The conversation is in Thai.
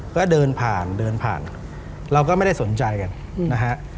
ก็เดินผ่านเดินผ่านเราก็ไม่ได้สนใจกันนะฮะ